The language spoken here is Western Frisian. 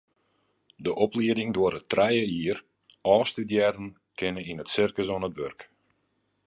De oplieding duorret trije jier, ôfstudearren kinne yn it sirkus oan it wurk.